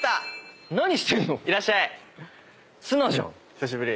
久しぶり。